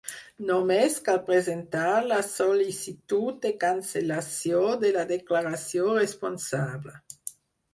Només cal presentar la sol·licitud de cancel·lació de la declaració responsable.